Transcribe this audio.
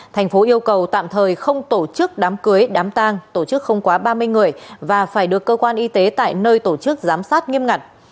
thành phố yêu cầu tạm thời không tổ chức đám cưới đám tang tổ chức không quá ba mươi người và phải được cơ quan y tế tại nơi tổ chức giám sát nghiêm ngặt